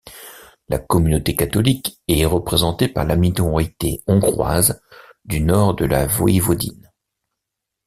La communauté catholique est représentée par la minorité hongroise du nord de la voïvodine.